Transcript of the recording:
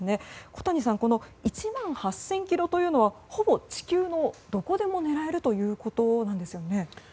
小谷さん、この１万８０００ｋｍというのはほぼ地球のどこでも狙えるということなんですよね？